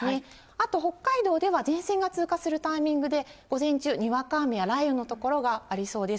あと北海道では、前線が通過するタイミングで、午前中、にわか雨や雷雨の所がありそうです。